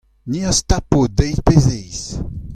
Ni az tapo deiz pe zeiz.